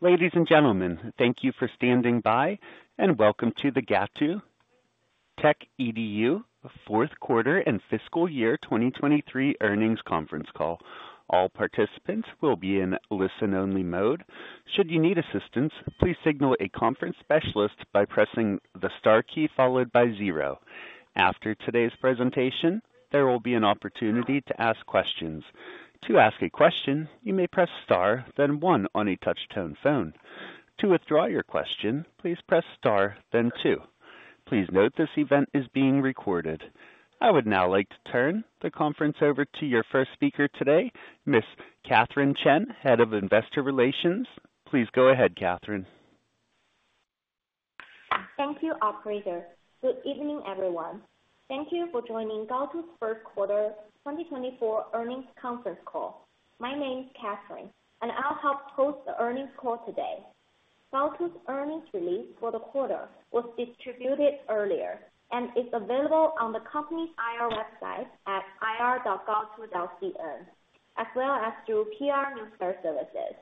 Ladies and gentlemen, thank you for standing by, and welcome to the Gaotu Techedu fourth quarter and fiscal year 2023 earnings conference call. All participants will be in listen-only mode. Should you need assistance, please signal a conference specialist by pressing the star key followed by zero. After today's presentation, there will be an opportunity to ask questions. To ask a question, you may press Star, then One on a touchtone phone. To withdraw your question, please press Star then Two. Please note this event is being recorded. I would now like to turn the conference over to your first speaker today, Ms. Catherine Chen, Head of Investor Relations. Please go ahead, Catherine. Thank you, operator. Good evening, everyone. Thank you for joining Gaotu's first quarter 2024 earnings conference call. My name is Catherine, and I'll help host the earnings call today. Gaotu's earnings release for the quarter was distributed earlier and is available on the company's IR website at ir.gaotu.cn, as well as through PR Newswire services.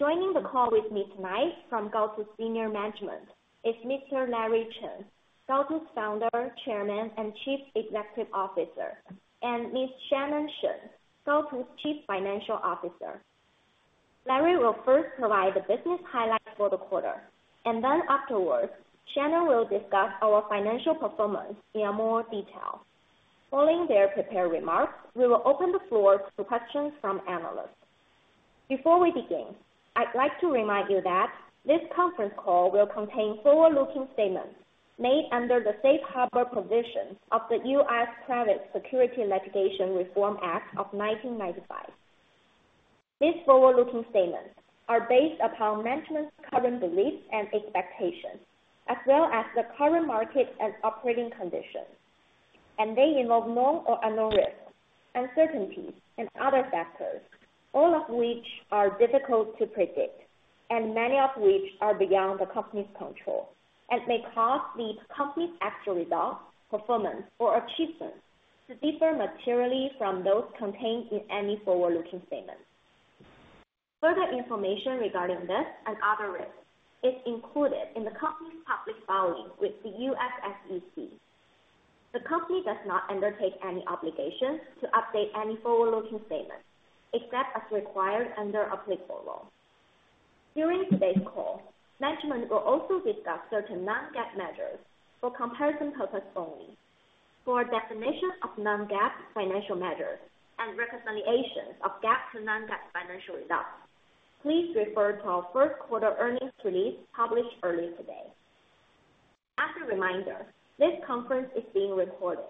Joining the call with me tonight from Gaotu Senior Management is Mr. Larry Chen, Gaotu's Founder, Chairman, and Chief Executive Officer, and Ms. Shannon Shen, Gaotu's Chief Financial Officer. Larry will first provide the business highlights for the quarter, and then afterwards, Shannon will discuss our financial performance in more detail. Following their prepared remarks, we will open the floor to questions from analysts. Before we begin, I'd like to remind you that this conference call will contain forward-looking statements made under the safe harbor provisions of the U.S. Private Securities Litigation Reform Act of 1995. These forward-looking statements are based upon management's current beliefs and expectations, as well as the current market and operating conditions, and they involve known or unknown risks, uncertainties, and other factors, all of which are difficult to predict, and many of which are beyond the company's control, and may cause the company's actual results, performance, or achievements to differ materially from those contained in any forward-looking statements. Further information regarding this and other risks is included in the company's public filings with the U.S. SEC. The company does not undertake any obligation to update any forward-looking statements, except as required under applicable law. During today's call, management will also discuss certain non-GAAP measures for comparison purposes only. For a definition of non-GAAP financial measures and representations of GAAP to non-GAAP financial results, please refer to our first quarter earnings release published earlier today. As a reminder, this conference is being recorded.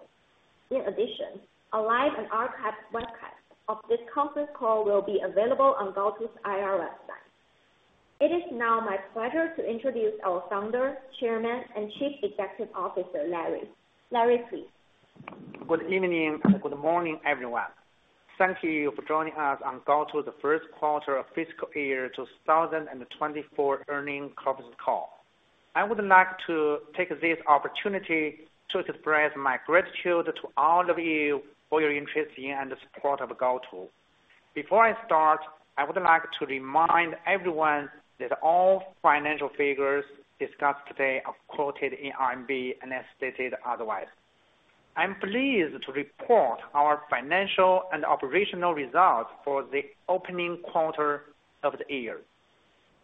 In addition, a live and archived webcast of this conference call will be available on Gaotu's IR website. It is now my pleasure to introduce our Founder, Chairman, and Chief Executive Officer, Larry. Larry, please. Good evening. Good morning, everyone. Thank you for joining us on Gaotu, the first quarter of fiscal year 2024 earnings conference call. I would like to take this opportunity to express my gratitude to all of you for your interest in and support of Gaotu. Before I start, I would like to remind everyone that all financial figures discussed today are quoted in RMB, unless stated otherwise. I'm pleased to report our financial and operational results for the opening quarter of the year.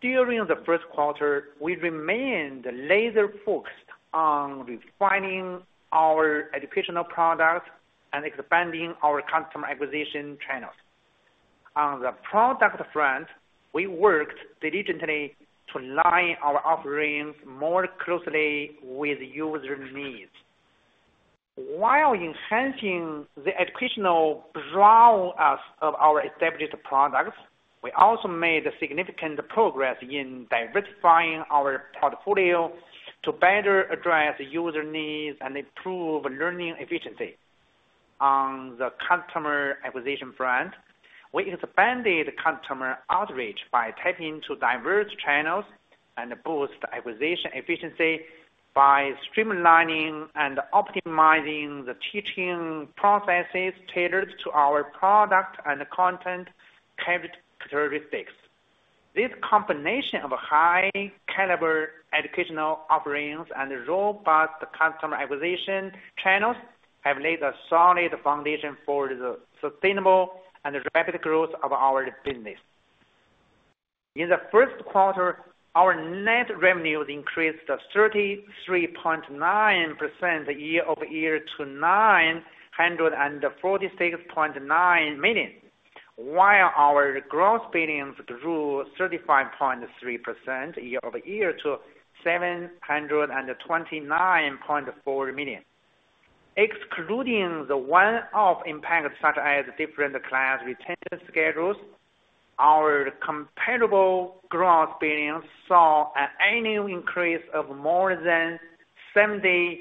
During the first quarter, we remained laser focused on refining our educational products and expanding our customer acquisition channels. On the product front, we worked diligently to align our offerings more closely with user needs. While enhancing the educational breadth of our established products, we also made significant progress in diversifying our portfolio to better address user needs and improve learning efficiency. On the customer acquisition front, we expanded customer outreach by tapping into diverse channels and boosting acquisition efficiency by streamlining and optimizing the teaching processes tailored to our product and content characteristics. This combination of high caliber educational offerings and robust customer acquisition channels have laid a solid foundation for the sustainable and rapid growth of our business. In the first quarter, our net revenues increased 33.9% year-over-year to 946.9 million, while our gross billings grew 35.3% year-over-year to 729.4 million. Excluding the one-off impacts, such as different class retention schedules, our comparable gross billings saw an annual increase of more than 70%.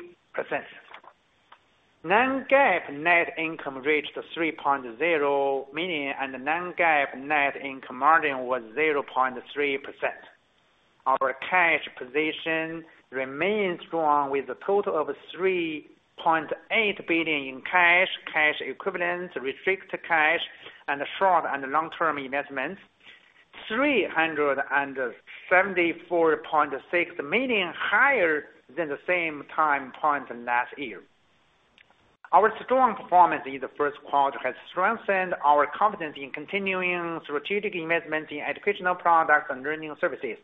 Non-GAAP net income reached 3.0 million, and the non-GAAP net income margin was 0.3%. Our cash position remains strong, with a total of 3.8 billion in cash, cash equivalents, restricted cash, and short- and long-term investments. 374.6 million higher than the same time point last year. Our strong performance in the first quarter has strengthened our confidence in continuing strategic investment in educational products and learning services,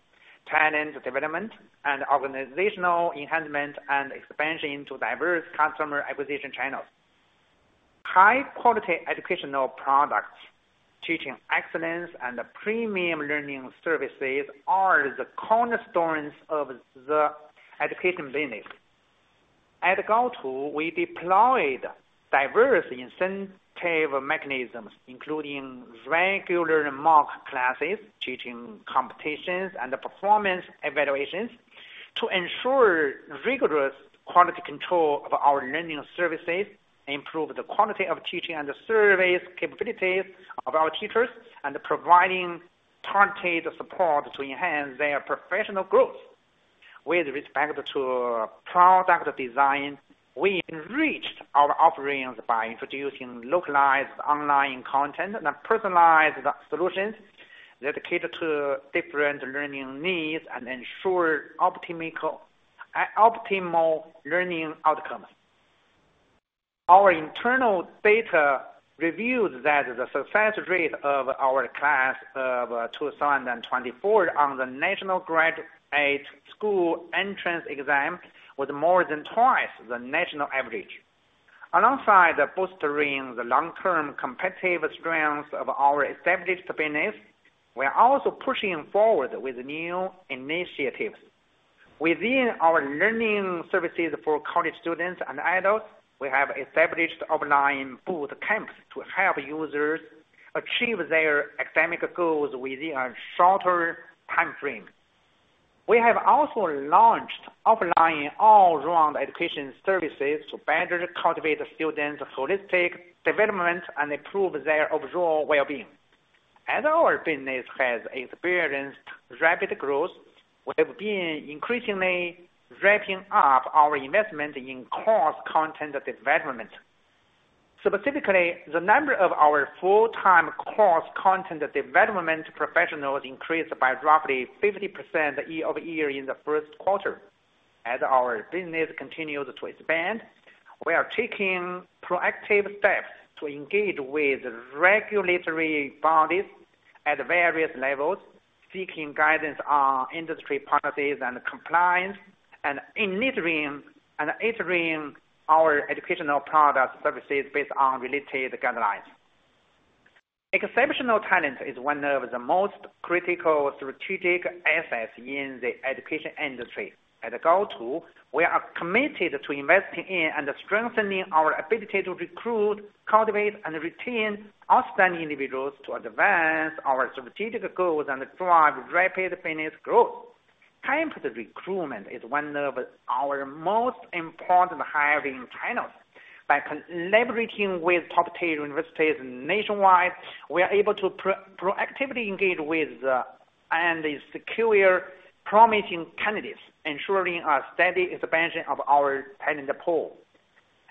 talent development, and organizational enhancement and expansion into diverse customer acquisition channels. High-quality educational products, teaching excellence, and premium learning services are the cornerstones of the education business. At Gaotu, we deployed diverse incentive mechanisms, including regular mock classes, teaching competitions, and performance evaluations, to ensure rigorous quality control of our learning services, improve the quality of teaching and the service capabilities of our teachers, and providing targeted support to enhance their professional growth. With respect to product design, we enriched our offerings by introducing localized online content and personalized solutions that cater to different learning needs and ensure optimal learning outcomes. Our internal data reveals that the success rate of our Class of 2024 on the National Graduate School Entrance Exam was more than twice the national average. Alongside the bolstering the long-term competitive strength of our established business, we are also pushing forward with new initiatives. Within our learning services for college students and adults, we have established online boot camps to help users achieve their academic goals within a shorter time frame. We have also launched offline all-round education services to better cultivate students' holistic development and improve their overall well-being. As our business has experienced rapid growth, we have been increasingly ramping up our investment in course content development. Specifically, the number of our full-time course content development professionals increased by roughly 50% year-over-year in the first quarter. As our business continues to expand, we are taking proactive steps to engage with regulatory bodies at various levels, seeking guidance on industry policies and compliance, and enriching our educational product services based on related guidelines. Exceptional talent is one of the most critical strategic assets in the education industry. At Gaotu, we are committed to investing in and strengthening our ability to recruit, cultivate, and retain outstanding individuals to advance our strategic goals and drive rapid business growth. Campus recruitment is one of our most important hiring channels. By collaborating with top-tier universities nationwide, we are able to proactively engage with and secure promising candidates, ensuring a steady expansion of our talent pool.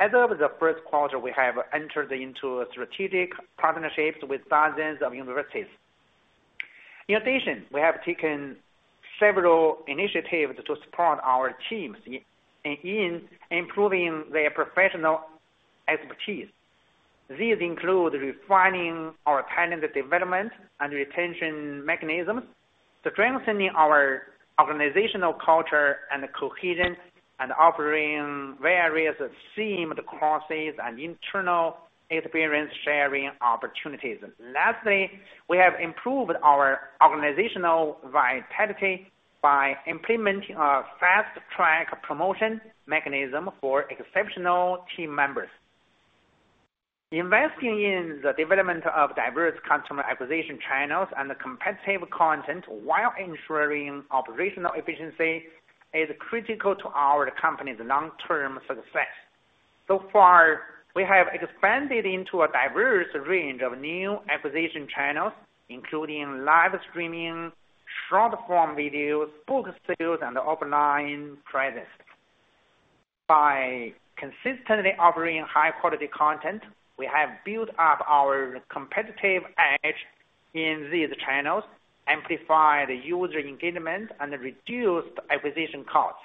As of the first quarter, we have entered into strategic partnerships with thousands of universities. In addition, we have taken several initiatives to support our teams in improving their professional expertise. These include refining our talent development and retention mechanisms, strengthening our organizational culture and cohesion, and offering various themed courses and internal experience sharing opportunities. Lastly, we have improved our organizational vitality by implementing a fast-track promotion mechanism for exceptional team members. Investing in the development of diverse customer acquisition channels and competitive content while ensuring operational efficiency is critical to our company's long-term success. So far, we have expanded into a diverse range of new acquisition channels, including live streaming, short-form videos, book sales, and offline presence. By consistently offering high-quality content, we have built up our competitive edge in these channels, amplified user engagement, and reduced acquisition costs.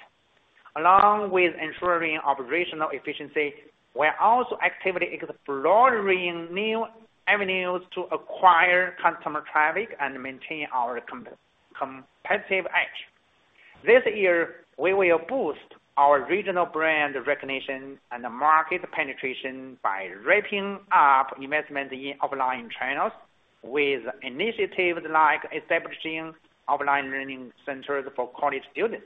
Along with ensuring operational efficiency, we are also actively exploring new avenues to acquire customer traffic and maintain our competitive edge. This year, we will boost our regional brand recognition and market penetration by ramping up investment in offline channels with initiatives like establishing offline learning centers for college students.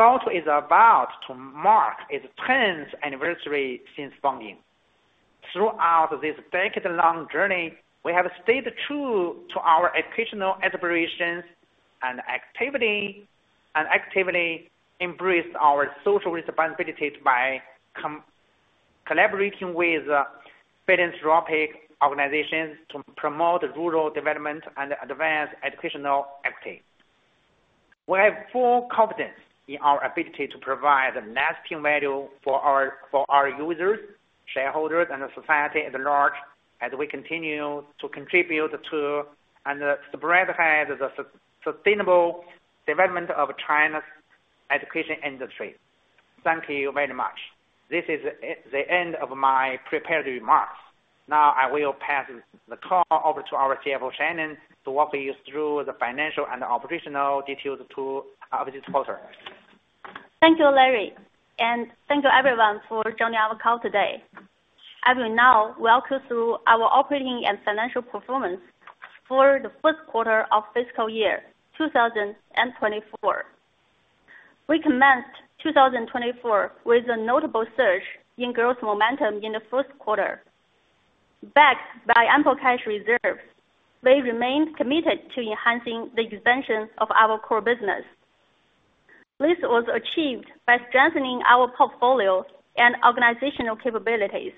Gaotu is about to mark its 10th anniversary since founding. Throughout this decade-long journey, we have stayed true to our educational aspirations and activity, and actively embraced our social responsibility by collaborating with philanthropic organizations to promote rural development and advance educational equity. We have full confidence in our ability to provide lasting value for our, for our users, shareholders, and the society at large, as we continue to contribute to and spearhead the sustainable development of China's education industry. Thank you very much. This is the end of my prepared remarks. Now, I will pass the call over to our CFO, Shannon, to walk you through the financial and operational details of this quarter. Thank you, Larry, and thank you everyone for joining our call today. I will now walk you through our operating and financial performance for the first quarter of fiscal year 2024. We commenced 2024 with a notable surge in growth momentum in the first quarter. Backed by ample cash reserves, we remained committed to enhancing the expansions of our core business. This was achieved by strengthening our portfolio and organizational capabilities,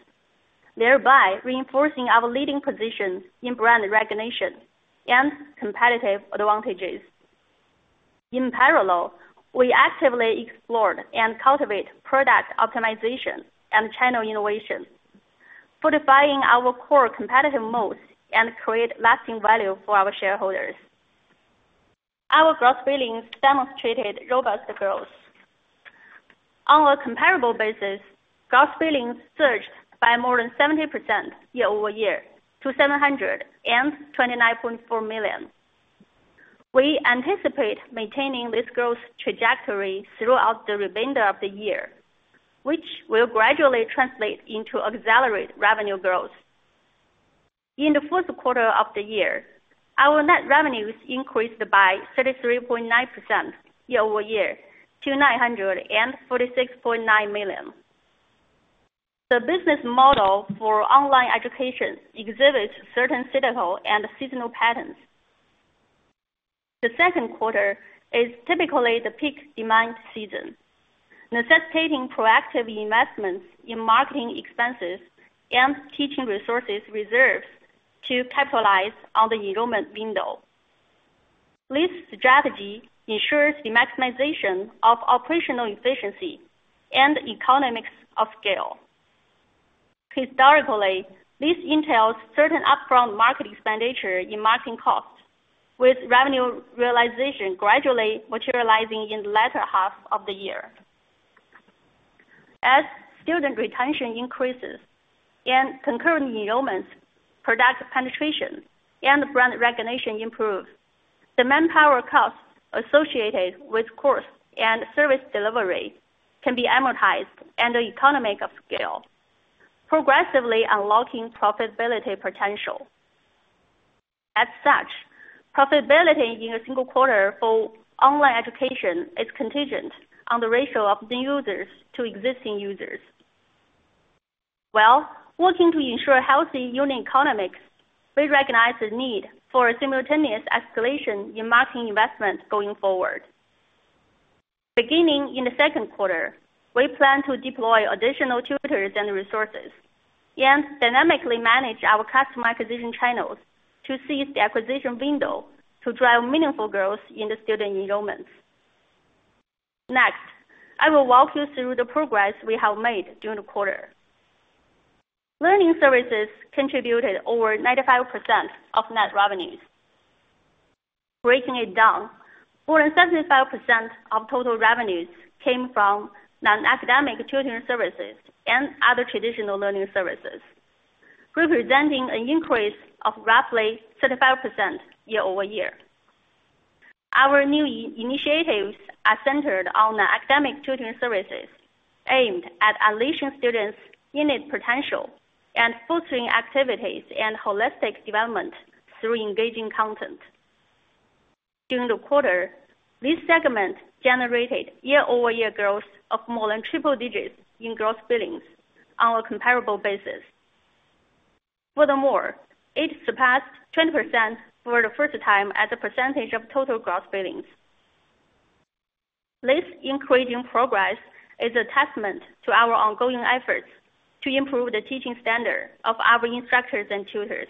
thereby reinforcing our leading positions in brand recognition and competitive advantages. In parallel, we actively explored and cultivate product optimization and channel innovation, fortifying our core competitive modes and create lasting value for our shareholders. Our gross billings demonstrated robust growth. On a comparable basis, gross billings surged by more than 70% year-over-year to 729.4 million. We anticipate maintaining this growth trajectory throughout the remainder of the year, which will gradually translate into accelerated revenue growth. In the first quarter of the year, our net revenues increased by 33.9% year-over-year to 946.9 million. The business model for online education exhibits certain cyclical and seasonal patterns. The second quarter is typically the peak demand season, necessitating proactive investments in marketing expenses and teaching resources reserves to capitalize on the enrollment window. This strategy ensures the maximization of operational efficiency and economies of scale. Historically, this entails certain upfront marketing expenditure in marketing costs, with revenue realization gradually materializing in the latter half of the year. As student retention increases and concurrent enrollments, product penetration and brand recognition improves, the manpower costs associated with course and service delivery can be amortized and the economy of scale, progressively unlocking profitability potential. As such, profitability in a single quarter for online education is contingent on the ratio of new users to existing users. While working to ensure healthy unit economics, we recognize the need for a simultaneous escalation in marketing investment going forward. Beginning in the second quarter, we plan to deploy additional tutors and resources, and dynamically manage our customer acquisition channels to seize the acquisition window to drive meaningful growth in the student enrollments. Next, I will walk you through the progress we have made during the quarter. Learning services contributed over 95% of net revenues. Breaking it down, more than 75% of total revenues came from non-academic tutoring services and other traditional learning services, representing an increase of roughly 35% year-over-year. Our new initiatives are centered on the academic tutoring services, aimed at unleashing students' innate potential and fostering activities and holistic development through engaging content. During the quarter, this segment generated year-over-year growth of more than triple digits in gross billings on a comparable basis. Furthermore, it surpassed 20% for the first time as a percentage of total gross billings. This increasing progress is a testament to our ongoing efforts to improve the teaching standard of our instructors and tutors,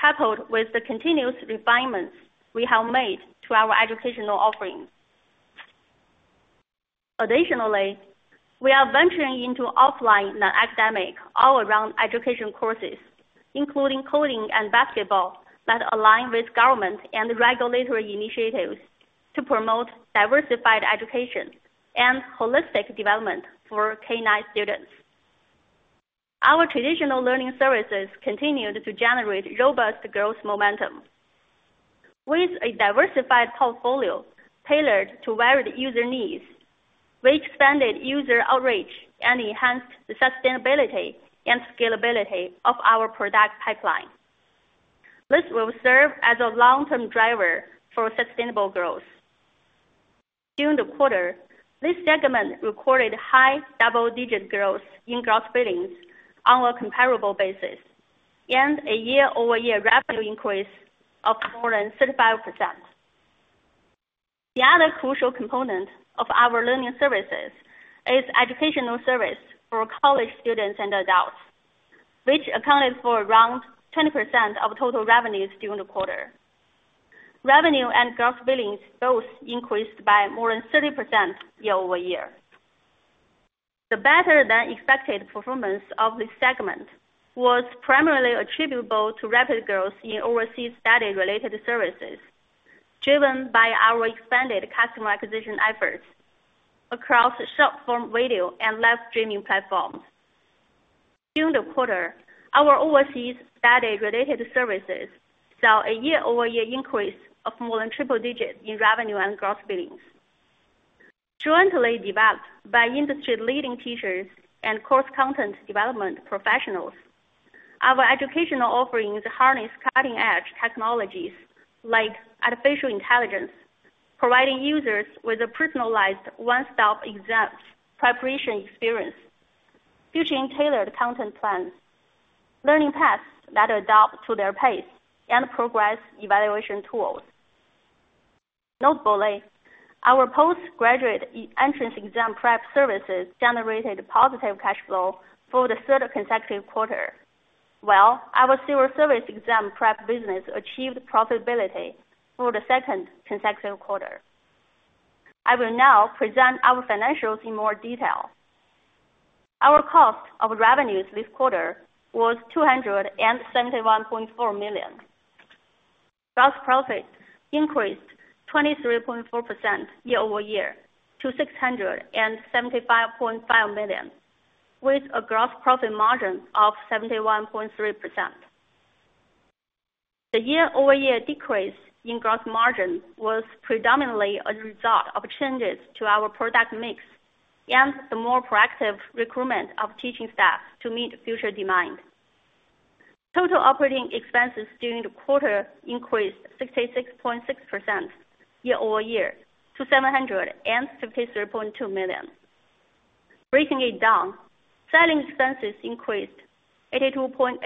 coupled with the continuous refinements we have made to our educational offerings. Additionally, we are venturing into offline non-academic, all-around education courses, including coding and basketball, that align with government and regulatory initiatives to promote diversified education and holistic development for K-9 students. Our traditional learning services continued to generate robust growth momentum. With a diversified portfolio tailored to varied user needs, we expanded user outreach and enhanced the sustainability and scalability of our product pipeline. This will serve as a long-term driver for sustainable growth. During the quarter, this segment recorded high double-digit growth in gross billings on a comparable basis, and a year-over-year revenue increase of more than 35%... The other crucial component of our learning services is educational service for college students and adults, which accounted for around 20% of total revenues during the quarter. Revenue and gross billings both increased by more than 30% year-over-year. The better than expected performance of this segment was primarily attributable to rapid growth in overseas study related services, driven by our expanded customer acquisition efforts across short-form video and live streaming platforms. During the quarter, our overseas study-related services saw a year-over-year increase of more than triple digits in revenue and gross billings. Jointly developed by industry-leading teachers and course content development professionals, our educational offerings harness cutting-edge technologies like artificial intelligence, providing users with a personalized one-stop exam preparation experience, featuring tailored content plans, learning paths that adapt to their pace, and progress evaluation tools. Notably, our post-graduate entrance exam prep services generated positive cash flow for the third consecutive quarter, while our civil service exam prep business achieved profitability for the second consecutive quarter. I will now present our financials in more detail. Our cost of revenues this quarter was 271.4 million. Gross profit increased 23.4% year-over-year to 675.5 million, with a gross profit margin of 71.3%. The year-over-year decrease in gross margin was predominantly a result of changes to our product mix and the more proactive recruitment of teaching staff to meet future demand. Total operating expenses during the quarter increased 66.6% year-over-year to 753.2 million. Breaking it down, selling expenses increased 82.8%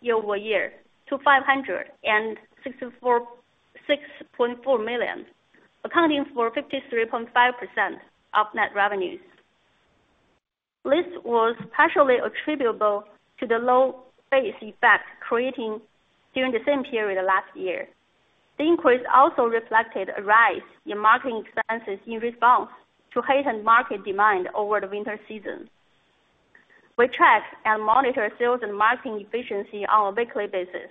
year-over-year to 564.6 million, accounting for 53.5% of net revenues. This was partially attributable to the low base effect created during the same period last year. The increase also reflected a rise in marketing expenses in response to heightened market demand over the winter season. We track and monitor sales and marketing efficiency on a weekly basis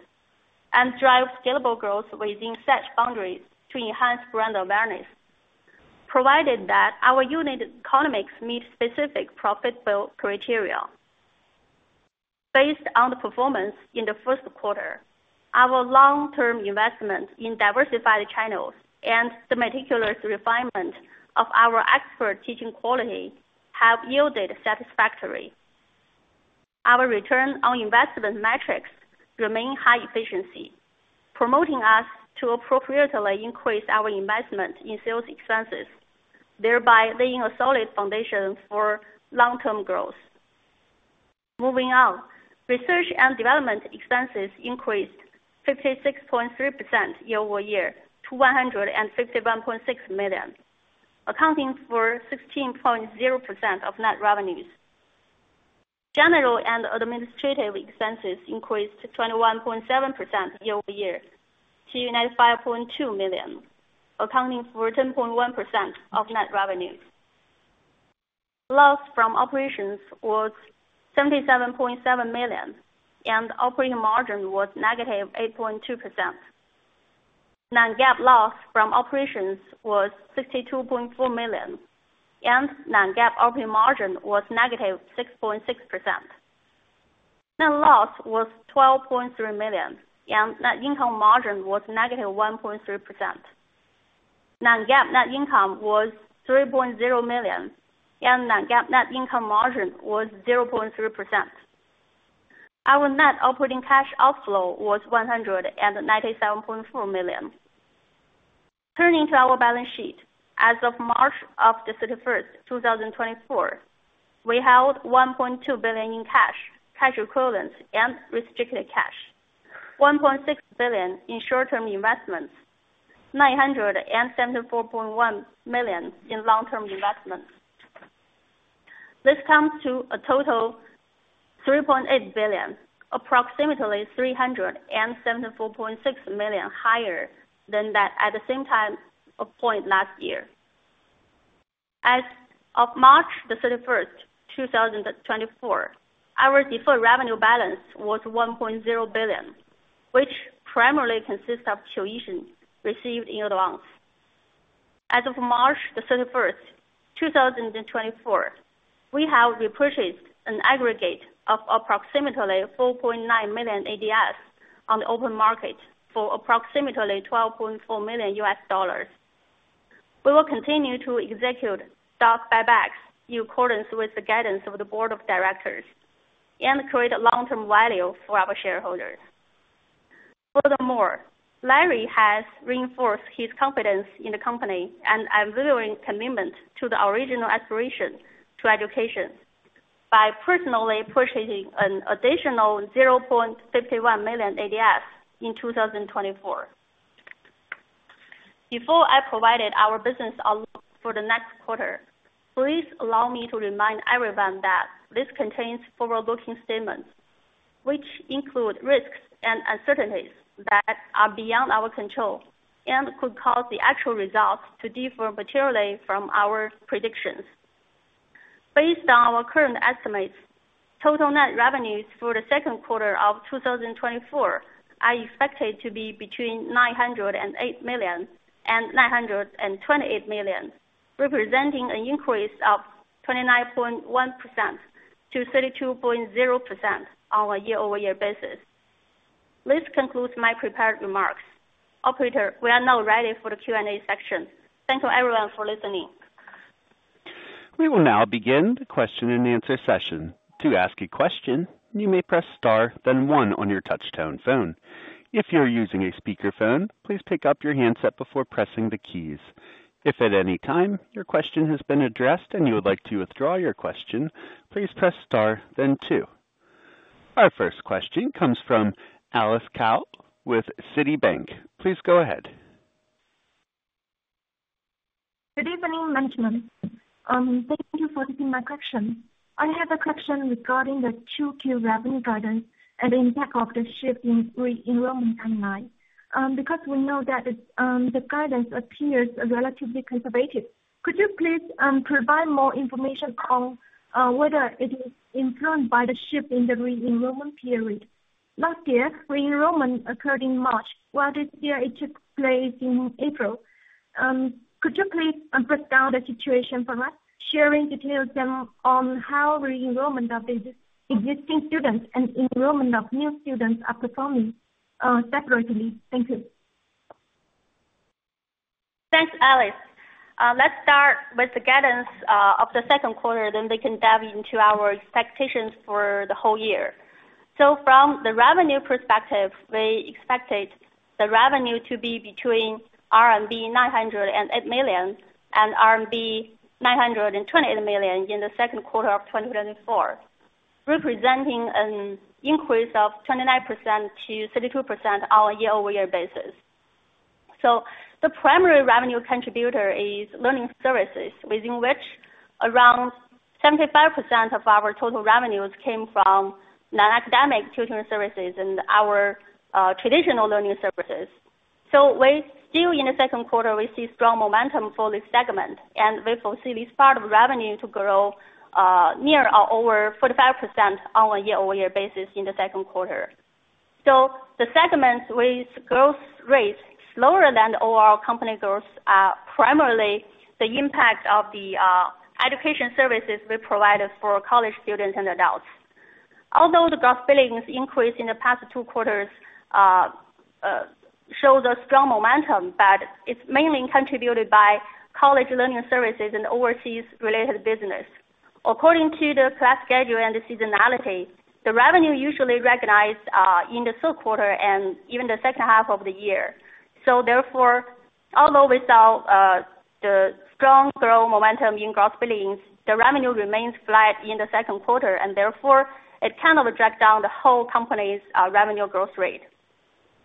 and drive scalable growth within such boundaries to enhance brand awareness, provided that our unit economics meet specific profitable criteria. Based on the performance in the first quarter, our long-term investment in diversified channels and the meticulous refinement of our expert teaching quality have yielded satisfactory. Our return on investment metrics remain high efficiency, promoting us to appropriately increase our investment in sales expenses, thereby laying a solid foundation for long-term growth. Moving on. Research and development expenses increased 56.3% year-over-year to 151.6 million, accounting for 16.0% of net revenues. General and administrative expenses increased 21.7% year-over-year to 95.2 million, accounting for 10.1% of net revenues. Loss from operations was 77.7 million, and operating margin was -8.2%. Non-GAAP loss from operations was 62.4 million, and non-GAAP operating margin was -6.6%. Net loss was 12.3 million, and net income margin was -1.3%. Non-GAAP net income was 3.0 million, and non-GAAP net income margin was 0.3%. Our net operating cash outflow was 197.4 million. Turning to our balance sheet. As of March 31, 2024, we held 1.2 billion in cash, cash equivalents and restricted cash, 1.6 billion in short-term investments, 974.1 million in long-term investments. This comes to a total 3.8 billion, approximately 374.6 million higher than that at the same time point last year. As of March 31, 2024, our deferred revenue balance was 1.0 billion, which primarily consists of tuition received in advance. As of March 31, 2024, we have repurchased an aggregate of approximately 4.9 million ADS on the open market for approximately $12.4 million. We will continue to execute stock buybacks in accordance with the guidance of the board of directors and create long-term value for our shareholders. Furthermore, Larry has reinforced his confidence in the company and unwavering commitment to the original aspiration to education by personally purchasing an additional 0.51 million ADS in 2024. Before I provided our business outlook for the next quarter, please allow me to remind everyone that this contains forward-looking statements, which include risks and uncertainties that are beyond our control and could cause the actual results to differ materially from our predictions. Based on our current estimates, total net revenues for the second quarter of 2024 are expected to be between 908 million and 928 million, representing an increase of 29.1%-32.0% on a year-over-year basis. This concludes my prepared remarks. Operator, we are now ready for the Q&A section. Thank you everyone for listening. We will now begin the question and answer session. To ask a question, you may press star, then one on your touch-tone phone. If you are using a speakerphone, please pick up your handset before pressing the keys. If at any time your question has been addressed and you would like to withdraw your question, please press star then two. Our first question comes from Alice Cai with Citibank. Please go ahead. Good evening, management. Thank you for taking my question. I have a question regarding the 2Q revenue guidance and the impact of the shift in re-enrollment timeline. Because we know that it's the guidance appears relatively conservative. Could you please provide more information on whether it is influenced by the shift in the re-enrollment period? Last year, re-enrollment occurred in March, while this year it took place in April. Could you please break down the situation for us, sharing details on how re-enrollment of the existing students and enrollment of new students are performing separately? Thank you. Thanks, Alice. Let's start with the guidance of the second quarter, then we can dive into our expectations for the whole year. So from the revenue perspective, we expected the revenue to be between RMB 908 million and RMB 928 million in the second quarter of 2024, representing an increase of 29%-32% on a year-over-year basis. So the primary revenue contributor is learning services, within which around 75% of our total revenues came from non-academic tutoring services and our traditional learning services. So we still, in the second quarter, we see strong momentum for this segment, and we foresee this part of revenue to grow near or over 45% on a year-over-year basis in the second quarter. So the segment with growth rate slower than the overall company growth are primarily the impact of the education services we provided for college students and adults. Although the gross billings increase in the past two quarters shows a strong momentum, but it's mainly contributed by college learning services and overseas related business. According to the class schedule and the seasonality, the revenue usually recognized in the third quarter and even the second half of the year. So therefore, although we saw the strong growth momentum in gross billings, the revenue remains flat in the second quarter, and therefore, it kind of dragged down the whole company's revenue growth rate.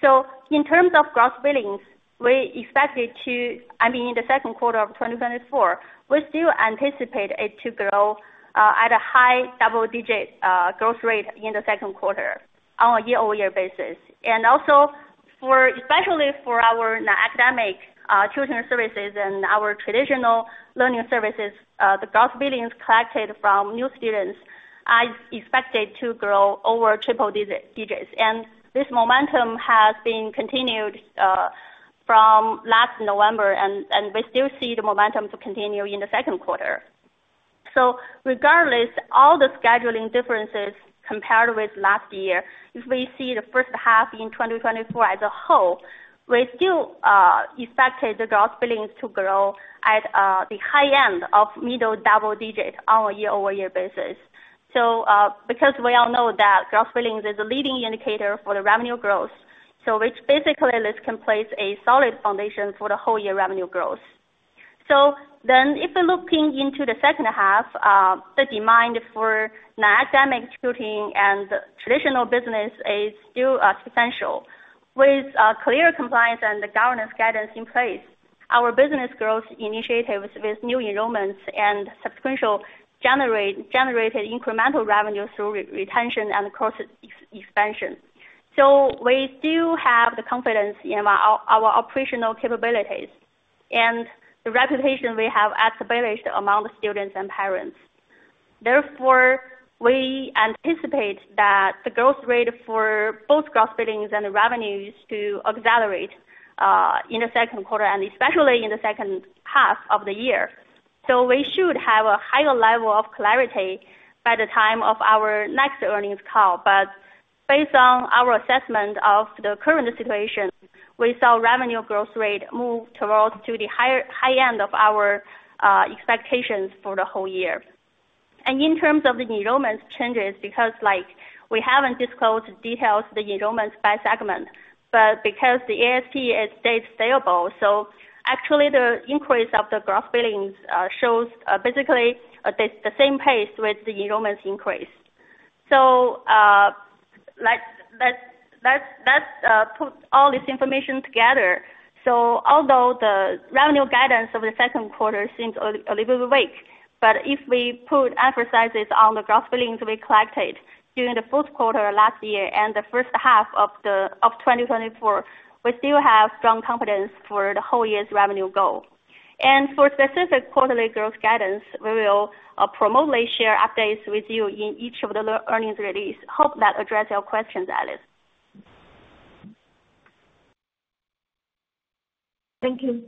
So in terms of gross billings, in the second quarter of 2024, we still anticipate it to grow at a high double-digit growth rate in the second quarter on a year-over-year basis. And also for, especially for our non-academic tutoring services and our traditional learning services, the gross billings collected from new students are expected to grow over triple digits. And this momentum has been continued from last November, and we still see the momentum to continue in the second quarter. So regardless, all the scheduling differences compared with last year, if we see the first half in 2024 as a whole, we still expect the gross billings to grow at the high end of middle double digits on a year-over-year basis. Because we all know that gross billings is a leading indicator for the revenue growth, so which basically this can place a solid foundation for the whole year revenue growth. Then, if we're looking into the second half, the demand for non-academic tutoring and traditional business is still substantial. With clear compliance and the governance guidance in place, our business growth initiatives with new enrollments and sequentially generated incremental revenue through retention and course expansion. So we do have the confidence in our operational capabilities and the reputation we have established among the students and parents. Therefore, we anticipate that the growth rate for both gross billings and the revenues to accelerate in the second quarter and especially in the second half of the year. So we should have a higher level of clarity by the time of our next earnings call. But based on our assessment of the current situation, we saw revenue growth rate move towards to the higher, high end of our expectations for the whole year. And in terms of the enrollment changes, because, like, we haven't disclosed details of the enrollments by segment, but because the ASP, it stays stable. So actually the increase of the gross billings shows basically the same pace with the enrollments increase. So let's put all this information together. So although the revenue guidance of the second quarter seems a little bit weak, but if we put emphasis on the gross billings we collected during the fourth quarter last year and the first half of 2024, we still have strong confidence for the whole year's revenue goal. And for specific quarterly growth guidance, we will promptly share updates with you in each of the earnings release. Hope that addressed your questions, Alice. Thank you.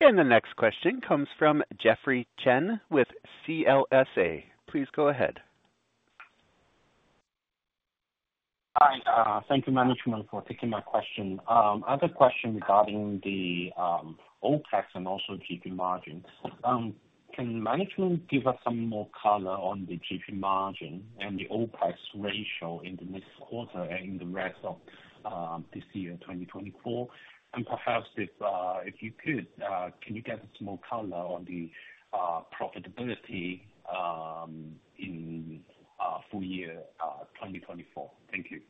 The next question comes from Jeffrey Chan with CLSA. Please go ahead. Hi, thank you, management, for taking my question. I have a question regarding the OpEx and also GP margins. Can management give us some more color on the GP margin and the OpEx ratio in this quarter and in the rest of this year, 2024? And perhaps if you could, can you give us more color on the profitability in full year 2024? Thank you.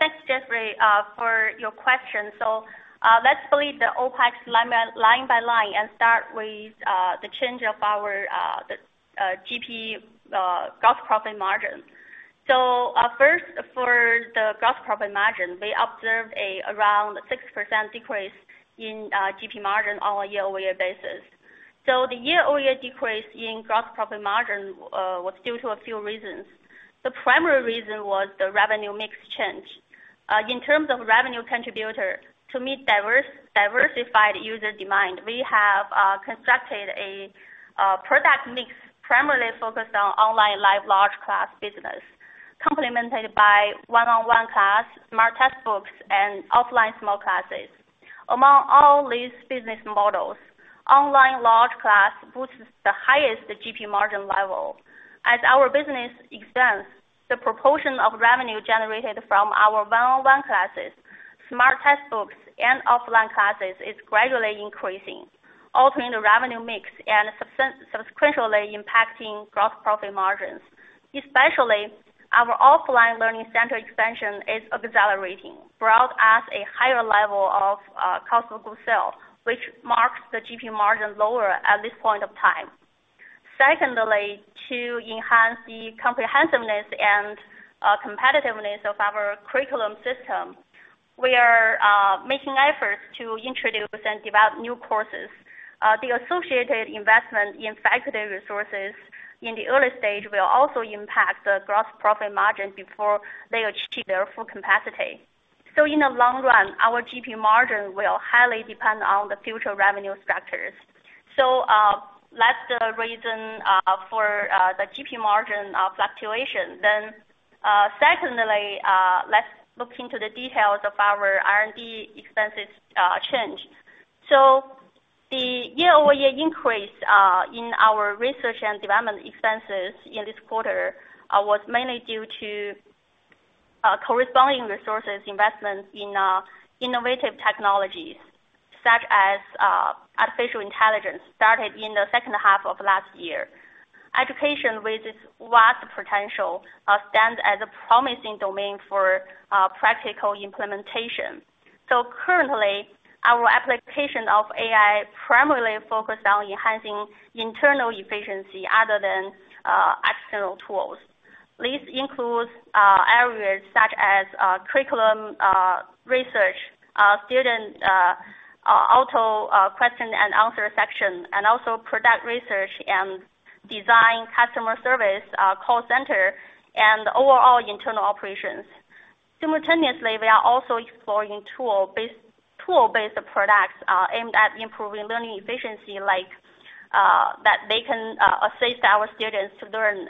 Thanks, Jeffrey, for your question. So, let's split the OpEx line by line and start with the change of our GP, gross profit margin. So, first, for the gross profit margin, we observed around 6% decrease in GP margin on a year-over-year basis. So the year-over-year decrease in gross profit margin was due to a few reasons. The primary reason was the revenue mix change. In terms of revenue contributor, to meet diversified user demand, we have constructed a product mix primarily focused on online live large class business, complemented by one-on-one class, smart textbooks, and offline small classes. Among all these business models, online large class boosts the highest GP margin level. As our business expands, the proportion of revenue generated from our one-on-one classes, smart textbooks, and offline classes is gradually increasing, altering the revenue mix and subsequently impacting gross profit margins. Especially, our offline learning center expansion is accelerating, brought us a higher level of cost of goods sold, which marks the GP margin lower at this point of time. Secondly, to enhance the comprehensiveness and competitiveness of our curriculum system, we are making efforts to introduce and develop new courses. The associated investment in faculty resources in the early stage will also impact the gross profit margin before they achieve their full capacity. So in the long run, our GP margin will highly depend on the future revenue structures. So, that's the reason for the GP margin fluctuation. Then, secondly, let's look into the details of our R&D expenses change. So the year-over-year increase in our research and development expenses in this quarter was mainly due to corresponding resources investments in innovative technologies, such as artificial intelligence, started in the second half of last year. Education, with its vast potential, stands as a promising domain for practical implementation. So currently, our application of AI primarily focused on enhancing internal efficiency rather than external tools. This includes areas such as curriculum research, student auto question and answer section, and also product research and design, customer service call center, and overall internal operations. Simultaneously, we are also exploring tool-based products aimed at improving learning efficiency, like that they can assist our students to learn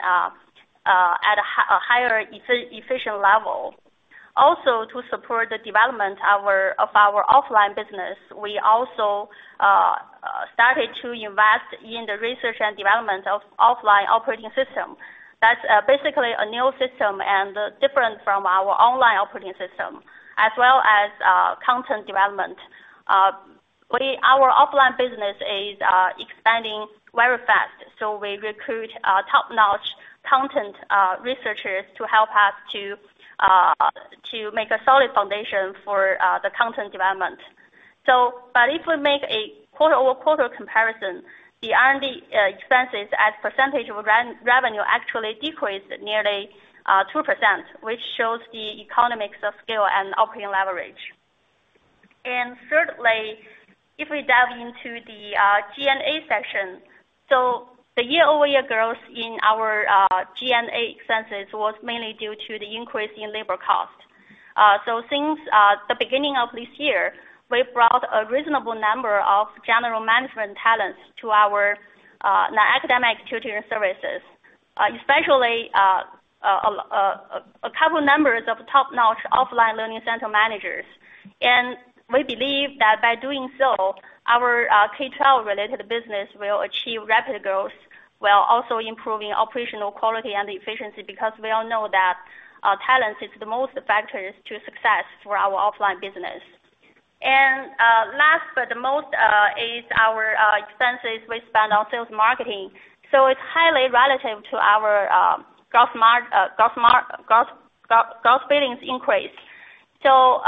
at a higher efficient level. Also, to support the development of our offline business, we also started to invest in the research and development of offline operating system. That's basically a new system and different from our online operating system, as well as content development. Our offline business is expanding very fast, so we recruit top-notch content researchers to help us to make a solid foundation for the content development. So, but if we make a quarter-over-quarter comparison, the R&D expenses as percentage of revenue actually decreased nearly 2%, which shows the economies of scale and operating leverage. And thirdly, if we dive into the G&A section. So the year-over-year growth in our G&A expenses was mainly due to the increase in labor cost. So since the beginning of this year, we've brought a reasonable number of general management talents to our academic tutoring services, especially a couple numbers of top-notch offline learning center managers. And we believe that by doing so, our K-12 related business will achieve rapid growth, while also improving operational quality and efficiency, because we all know that talent is the most factors to success for our offline business.... And last but the most is our expenses we spend on sales marketing. So it's highly relative to our gross billings increase. So,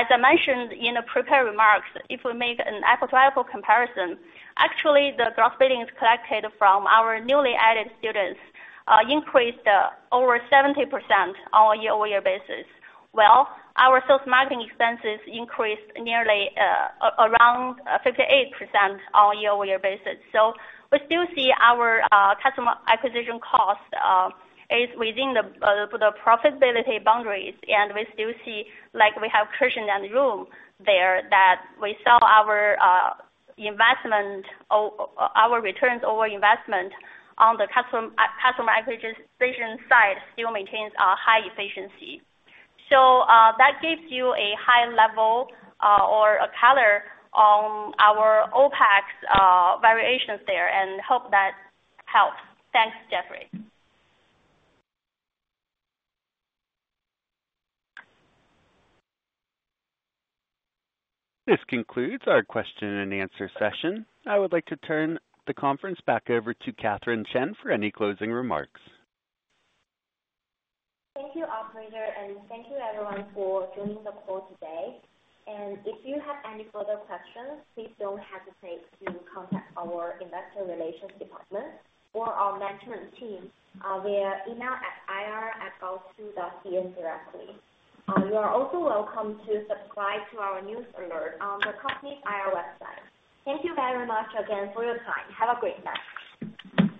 as I mentioned in the prepared remarks, if we make an apple-to-apple comparison, actually, the gross billings collected from our newly added students increased over 70% on a year-over-year basis. Well, our sales marketing expenses increased nearly around 58% on a year-over-year basis. So we still see our customer acquisition cost is within the profitability boundaries, and we still see, like, we have cushion and room there, that we saw our investment our returns on investment on the customer acquisition side still maintains a high efficiency. So, that gives you a high level or a color on our OpEx variations there, and hope that helps. Thanks, Jeffrey. This concludes our question and answer session. I would like to turn the conference back over to Catherine Chen for any closing remarks. Thank you, operator, and thank you everyone for joining the call today. If you have any further questions, please don't hesitate to contact our investor relations department or our management team, via email at ir@gaotu.cn directly. You are also welcome to subscribe to our news alert on the company's IR website. Thank you very much again for your time. Have a great night.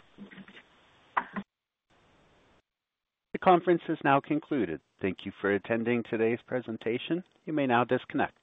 The conference is now concluded. Thank you for attending today's presentation. You may now disconnect.